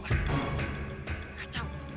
kacau kita ke sana